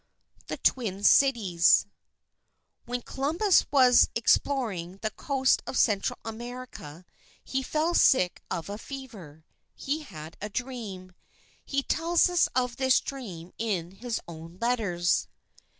THE TWIN CITIES While Columbus was exploring the coast of Central America, he fell sick of a fever. He had a dream. He tells us of this dream in his own letters.